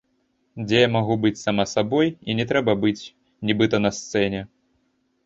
Дзе я магу быць сама сабой і не трэба быць, нібыта на сцэне.